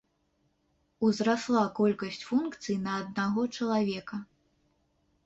Узрасла колькасць функцый на аднаго чалавека.